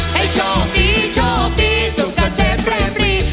ให้โชคดีโชคดีสุขเจ็บเรียบรี